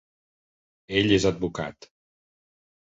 Ell és advocat.